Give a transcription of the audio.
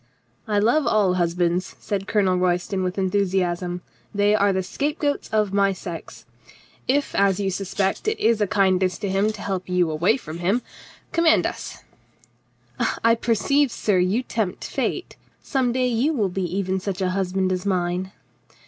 "I love all husbands," said Colonel Royston with enthusiasm. "They are the scapegoats of my sex. If, as you suspect, it is a kindness to him to help you away from him, command us." 12 COLONEL GREATHEART "I perceive, sir, you tempt fate. Some day you will be even such a husband as mine."